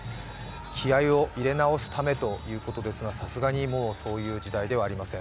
気合いを入れ直すためということですが、さすがに、もうそういう時代ではありません。